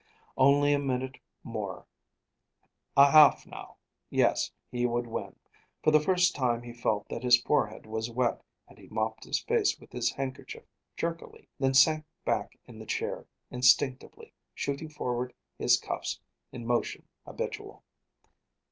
Only a minute more: a half now yes, he would win. For the first time he felt that his forehead was wet, and he mopped his face with his handkerchief jerkily; then sank back in the chair, instinctively shooting forward his cuffs in motion habitual.